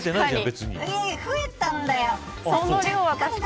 増えたんだよ。